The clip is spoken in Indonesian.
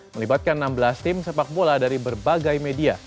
melibatkan enam belas tim sepak bola dari berbagai media